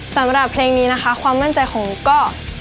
สำหรับเพลงนี้นะคะความมั่นใจของก็